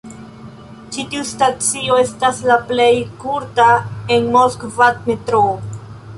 Ĉi tiu stacio estas la plej kurta en Moskva metroo.